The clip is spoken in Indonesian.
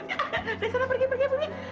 dari sana pergi pergi